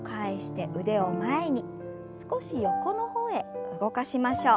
少し横の方へ動かしましょう。